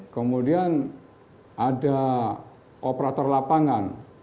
kemudian ada operator lapangan